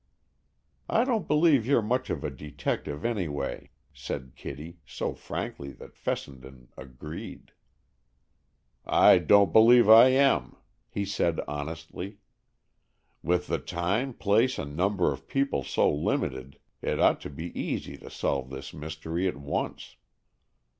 "I don't believe you're much of a detective, any way," said Kitty, so frankly that Fessenden agreed. "I don't believe I am," he said honestly. "With the time, place, and number of people so limited, it ought to be easy to solve this mystery at once."